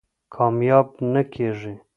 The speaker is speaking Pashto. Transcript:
کامیاب نه کېږي.